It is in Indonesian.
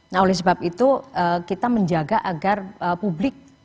nah oleh sebab itu kita menjaga agar publik